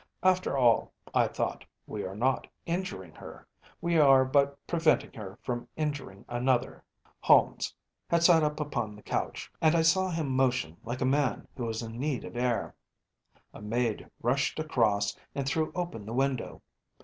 After all, I thought, we are not injuring her. We are but preventing her from injuring another. Holmes had sat up upon the couch, and I saw him motion like a man who is in need of air. A maid rushed across and threw open the window.